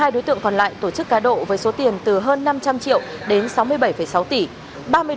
hai mươi đối tượng còn lại tổ chức cá độ với số tiền từ hơn năm trăm linh triệu đến sáu mươi bảy sáu tỷ